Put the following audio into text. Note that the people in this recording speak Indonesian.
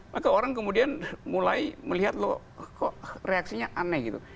maka orang kemudian mulai melihat loh kok reaksinya aneh gitu